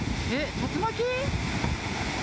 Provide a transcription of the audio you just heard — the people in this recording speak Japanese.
竜巻？